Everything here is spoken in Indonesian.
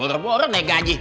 udah terpulang naik gaji